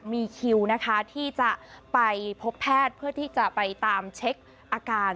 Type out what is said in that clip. มีคิวนะคะที่จะไปพบแพทย์เพื่อที่จะไปตามเช็คอาการ